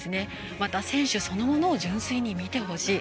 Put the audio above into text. また選手そのものを純粋に見てほしい。